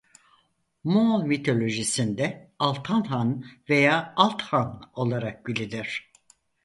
Moğol mitolojisinde Altan Han veya Alt Han olarak bilinir.